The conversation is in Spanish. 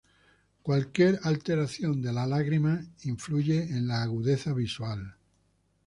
Cualquier alteración de la lágrima influye en la agudeza visual.